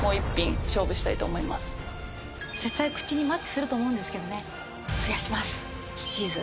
絶対口にマッチすると思うんですけどね